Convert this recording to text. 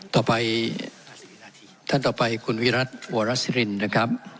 ต่อไปท่านต่อไปคุณวิรัติวรสิรินนะครับ